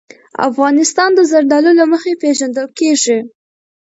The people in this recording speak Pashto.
افغانستان د زردالو له مخې پېژندل کېږي.